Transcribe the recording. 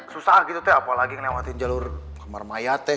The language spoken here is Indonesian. susah gitu teh apalagi ngelewatin jalur kamar maya teh